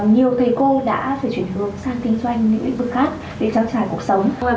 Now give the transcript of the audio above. nhiều thầy cô đã phải chuyển hướng sang kinh doanh những lĩnh vực khác để trang trải cuộc sống